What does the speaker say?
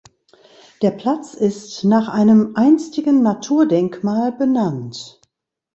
Der Platz ist nach einem einstigen Naturdenkmal benannt.